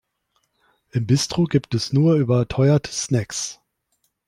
Im Bistro gibt es nur überteuerte Snacks.